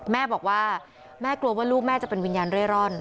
แม่บอกว่าแม่กลัวว่าลูกแม่จะเป็นวิญญาณเร่ร่อน